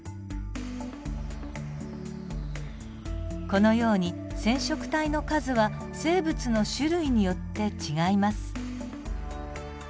このように染色体の数は生物の種類によって違います。